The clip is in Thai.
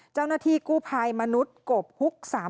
เจ้าหน้าที่กู้ภัยมนุษย์กบฮุก๓๓